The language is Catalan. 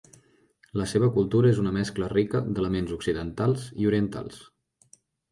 La seva cultura és una mescla rica d'elements occidentals i orientals.